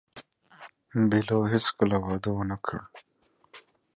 Belo never married.